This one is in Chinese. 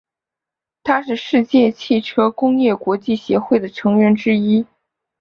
它是世界汽车工业国际协会的成员之一。